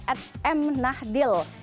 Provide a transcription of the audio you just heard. at m nahdil